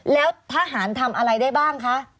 แล้วทหารทำอะไรได้บ้างคะ